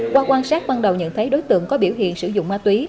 qua quan sát ban đầu nhận thấy đối tượng có biểu hiện sử dụng ma túy